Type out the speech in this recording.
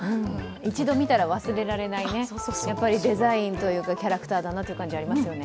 一度見たら忘れられない、やっぱりデザインというかキャラクターだなと感じますね。